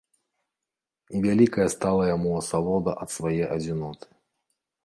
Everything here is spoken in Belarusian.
І вялікая стала яму асалода ад свае адзіноты.